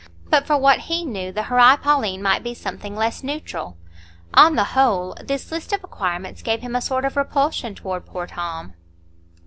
But, for what he knew, the Horæ Paulinæ might be something less neutral. On the whole, this list of acquirements gave him a sort of repulsion toward poor Tom.